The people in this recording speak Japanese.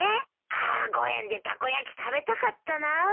ああ５円でたこ焼き食べたかったな。